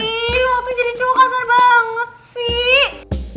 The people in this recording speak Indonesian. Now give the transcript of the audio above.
ih waktu jadi cowok kasar banget sih